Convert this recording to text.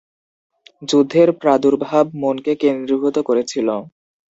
যুদ্ধের প্রাদুর্ভাব মনকে কেন্দ্রীভূত করেছিল।